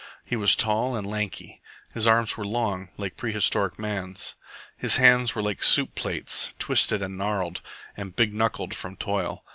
He was tall and lanky. His arms were long, like prehistoric man's, and his hands were like soup plates, twisted and gnarled, and big knuckled from toil.